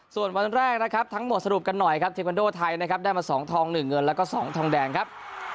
ส่วนวันแรกนะครับทั้งหมดสรุปกันหน่อยครับเทควันโดไทยนะครับได้มา๒ทอง๑เงินแล้วก็๒ทองแดงครับ